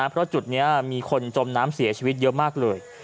เพราะจุดนี้มีคนจมน้ำเสียชีวิตเยอะมากเลย